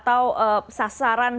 kamu bisa lihat bahwa sekarang